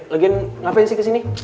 lagi ngapain sih kesini